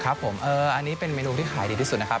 ครับผมอันนี้เป็นเมนูที่ขายดีที่สุดนะครับ